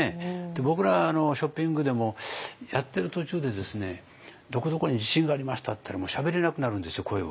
僕らショッピングでもやってる途中でどこどこに地震がありましたっていったらもうしゃべれなくなるんですよ声を。